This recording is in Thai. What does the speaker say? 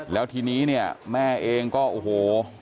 แล้วทีนี้แม่เองก็โอ้โห